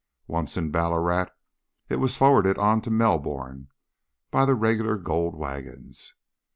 Once in Ballarat, it was forwarded on to Melbourne by the regular gold waggons.